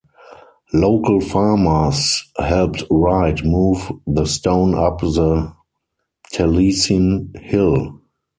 Local farmers helped Wright move the stone up the Taliesin hill.